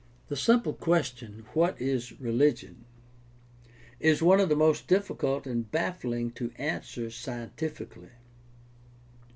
— The simple question, What is religion ? is one of the most difficult and baffling to answer scientifically.